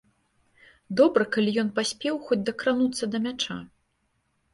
Добра калі ён паспеў хоць дакрануцца да мяча.